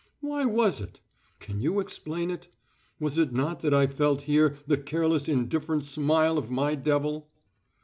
Why was it? Can you explain it? Was it not that I felt here the careless indifferent smile of my devil?